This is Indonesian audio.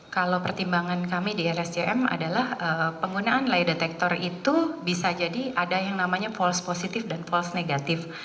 kalau pertimbangan kami di rsjm adalah penggunaan lay detektor itu bisa jadi ada yang namanya false positif dan false negatif